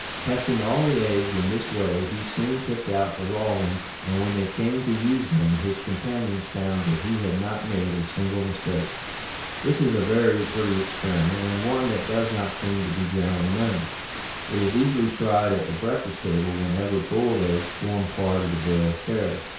Testing all the eggs in this way he soon picked out the raw ones, and when they came to use them his companions found that he had not made a single mistake. This is a very pretty experiment and one that does not seem to be generally known. It is easily tried at the breakfast table whenever boiled eggs form part of the bill of fare.